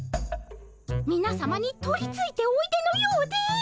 みなさまに取りついておいでのようで。